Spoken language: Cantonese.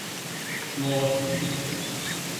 屙屎